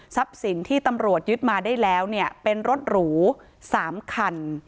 สินที่ตำรวจยึดมาได้แล้วเนี่ยเป็นรถหรู๓คัน